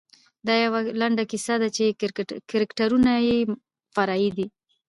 دا یوه لنډه کیسه وه چې کرکټرونه یې فرعي دي.